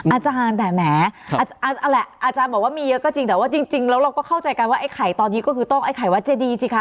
อาจารย์แต่แหมอาจารย์บอกว่ามีเยอะก็จริงแต่ว่าจริงแล้วเราก็เข้าใจกันว่าไอ้ไข่ตอนนี้ก็คือต้องไอ้ไข่วัดเจดีสิคะ